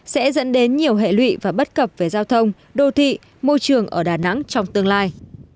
sẽ dẫn đến nhiều hệ lụy và bất cập về giao thông đô thị môi trường ở đà nẵng trong tương lai